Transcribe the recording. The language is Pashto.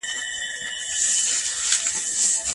ټولنپوهنه د ژوند هنداره ده.